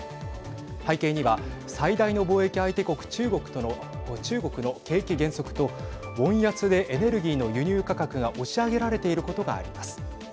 背景には最大の貿易相手国中国の景気減速とウォン安でエネルギーの輸入価格が押し上げられていることがあります。